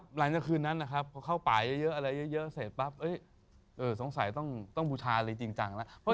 หลังจากคืนนั้นนะครับพอเข้าป่าเยอะอะไรเยอะเสร็จปั๊บสงสัยต้องบูชาอะไรจริงจังแล้ว